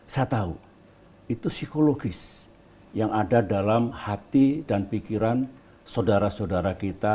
saya tahu itu psikologis yang ada dalam hati dan pikiran saudara saudara kita